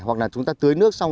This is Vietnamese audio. hoặc là chúng ta tưới nước xong